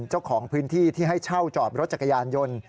เจ้าของพื้นที่ที่ให้เช่าจอดรถจักรยานยนต์